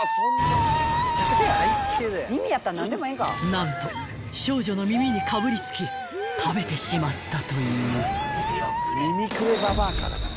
［何と少女の耳にかぶりつき食べてしまったという］